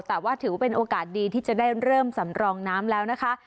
แต่ว่าถือว่าเป็นโอกาสดีที่จะได้เริ่มสำรองน้ำแล้วนะคะ